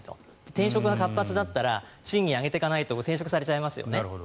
転職が活発だったら賃金を上げていかないと転職されちゃいますよね。